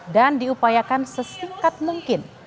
dan diupayakan sesingkat mungkin